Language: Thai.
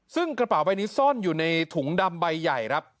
ซึ่งกระเป๋าใบนี้ซ่อนอยู่ในถุงดำใบใหญ่ครับ